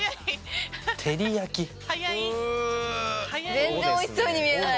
全然おいしそうに見えない。